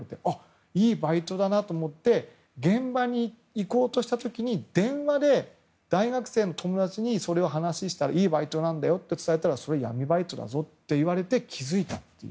いいバイトだなと思って現場に行こうとした時に電話で大学生の友達にそれを話したらいいバイトだよって伝えたらそれは闇バイトだと言われて気付いたと。